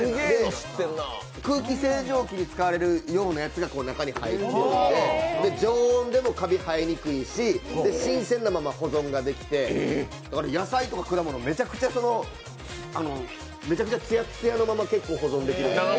空気清浄機に使われるようなやつが中に入っているので常温でもかびが生えにくいし新鮮なまま保存ができてだから、野菜とか果物、めちゃくちゃ、つやっつやのまま結構保存ができるんで。